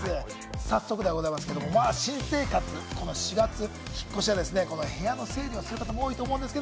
早速でございますが、新生活の４月、引っ越しや部屋の整理をする方も多いと思います。